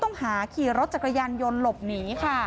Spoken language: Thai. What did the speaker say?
โชว์บ้านในพื้นที่เขารู้สึกยังไงกับเรื่องที่เกิดขึ้น